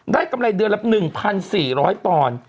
กำไรเดือนละ๑๔๐๐ปอนด์